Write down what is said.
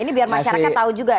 ini biar masyarakat tahu juga